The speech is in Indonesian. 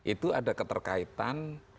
itu ada keterkaitan